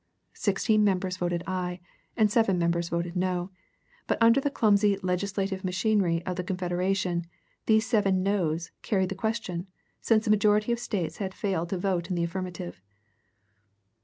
Sixteen members voted aye and seven members voted no; but under the clumsy legislative machinery of the Confederation these seven noes carried the question, since a majority of States had failed to vote in the affirmative.